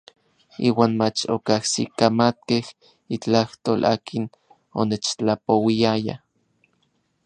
Iuan mach okajsikamatkej itlajtol akin onechtlapouiaya.